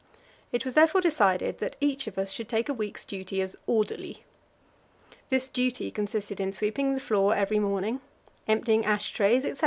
It was therefore decided that each of us should take a week's duty as "orderly." This duty consisted in sweeping the floor every morning, emptying ash trays, etc.